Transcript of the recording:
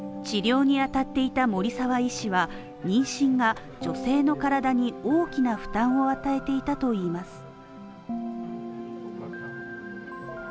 治療に当たっていた森澤医師は妊娠が女性の体に大きな負担を与えていたといいます。